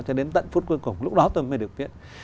cho đến tận phút cuối cùng lúc đó tôi mới được viết